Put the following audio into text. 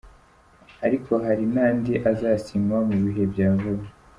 Ariko hari n’andi azasinywa mu bihe bya vuba.